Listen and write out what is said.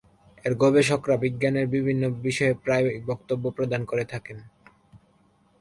এর গবেষকরা বিজ্ঞানের বিভিন্ন বিষয়ে প্রায়ই বক্তব্য প্রদান করে থাকেন।